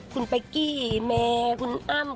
คุณเป๊กกี้เมคุณอ้ำ